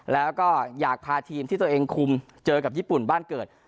แล้วก็อยากพาทีมที่ตัวเองคุมเจอกับญี่ปุ่นบ้านเกิด